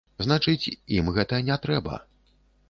Значыць ім гэта не трэба.